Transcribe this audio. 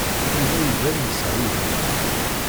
Yuba iban yesɛa ugur.